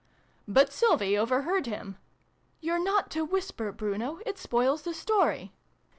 But Sylvie overheard him. " You're not to whisper, Bruno! It spoils the story!